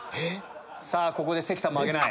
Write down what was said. ここで関さんも挙げない。